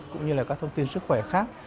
cũng như là các thông tin sức khỏe khác